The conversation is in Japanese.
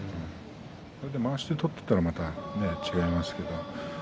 まわしを取っていたらまた違いますけどね。